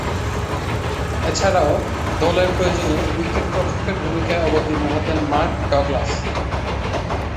এছাড়াও, দলের প্রয়োজনে উইকেট-রক্ষকের ভূমিকায় অবতীর্ণ হতেন মার্ক ডগলাস।